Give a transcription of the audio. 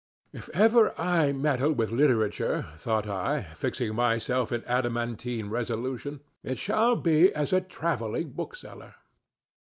"If ever I meddle with literature," thought I, fixing myself in adamantine resolution, "it shall be as a travelling bookseller."